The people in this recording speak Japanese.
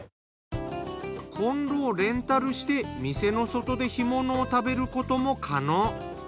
コンロをレンタルして店の外で干物を食べることも可能。